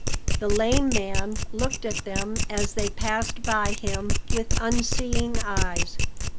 The lame man looked at them as they passed by him with unseeing eyes.